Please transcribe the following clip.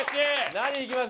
何いきます？